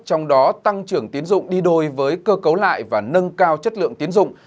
trong đó tăng trưởng tiến dụng đi đôi với cơ cấu lại và nâng cao chất lượng tiến dụng